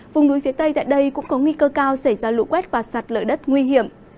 vùng núi phía tây tại đây cũng có nguy cơ cao xảy ra lũ quét và sạt lở đất nguy hiểm